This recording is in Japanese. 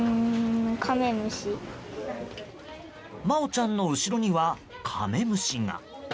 茉織ちゃんの後ろにはカメムシが。